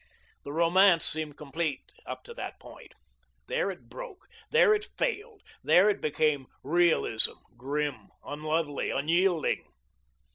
The romance seemed complete up to that point. There it broke, there it failed, there it became realism, grim, unlovely, unyielding.